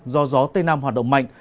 do gió tây nam hoạt động mạnh